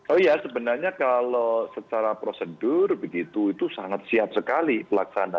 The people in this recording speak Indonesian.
oh ya sebenarnya kalau secara prosedur begitu itu sangat siap sekali pelaksana